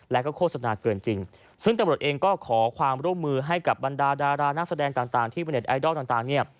และก็โฆษณาเกินจริงซึ่งตำรวจเองก็ขอความร่วมมือให้กับบรรดาดารานักแสดงต่างที่เป็นเน็ตไอดอลต่างเนี่ย